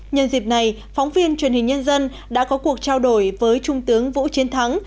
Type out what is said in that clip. nhân dịp này phóng viên truyền hình nhân dân đã có cuộc trao đổi với trung tướng vũ chiến thắng